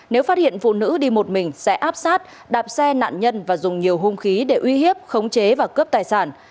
nếu phát hiện phụ nữ đi một mình sẽ áp sát đạp xe nạn nhân và dùng nhiều hung khí để uy hiếp khống chế và cướp tài sản